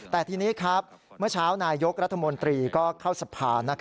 แต่ทีนี้ครับเมื่อเช้านายยกรัฐมนตรีก็เข้าสภา